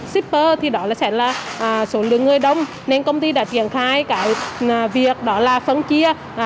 shipper thì đó là sẽ là số lượng người đông nên công ty đã triển khai cái việc đó là phân chia